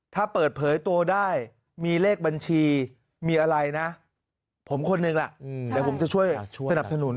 ถ้าเปิดเผยตัวได้มีเลขบัญชีมีอะไรนะผมคนหนึ่งล่ะเดี๋ยวผมจะช่วยสนับสนุน